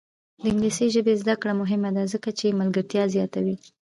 د انګلیسي ژبې زده کړه مهمه ده ځکه چې ملګرتیا زیاتوي.